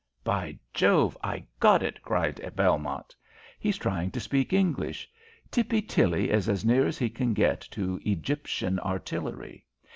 "By Jove, I got it!" cried Belmont. "He's trying to speak English. Tippy Tilly is as near as he can get to Egyptian Artillery.